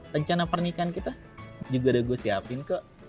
rencana pernikahan kita juga udah gue siapin ke